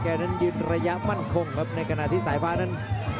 นั้นยืนระยะมั่นคงครับในขณะที่สายฟ้านั้น